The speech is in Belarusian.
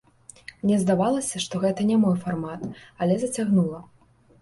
Мне здавалася, што гэта не мой фармат, але зацягнула.